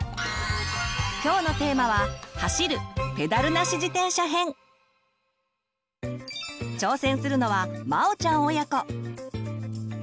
今日のテーマは挑戦するのはまおちゃん親子。